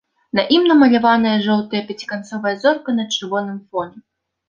На ім намаляваная жоўтая пяціканцовая зорка на чырвоным фоне.